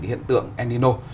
hiện tượng el nino